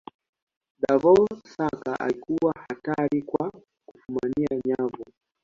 davor suker alikuwa hatari kwa kufumania nyavu